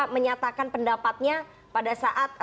menyatakan pendapatnya pada saat